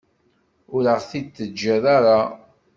Ur aɣ-t-id-teǧǧiḍ ara.